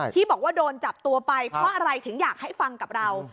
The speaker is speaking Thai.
ที่บอกว่าโดนจับตัวไปเพราะอะไรถึงอยากให้ฟังกับเรา